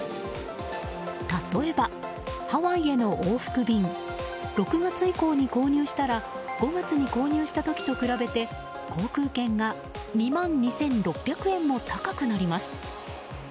例えば、ハワイへの往復便６月以降に購入したら５月に購入した時と比べて航空券が２万２６００円も高くなります。